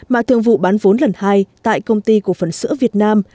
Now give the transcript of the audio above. mà thường vụ bán vốn lần hai tại công ty cổ phần sữa việt nam